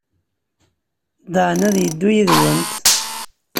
Dan ad yeddu yid-went.